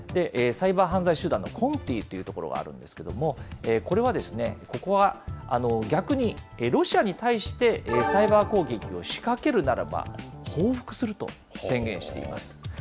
サイバー犯罪集団のＣｏｎｔｉというところがあるんですけれども、これは、ここは逆にロシアに対して、サイバー攻撃を仕掛けるならば、報復すると宣言しています。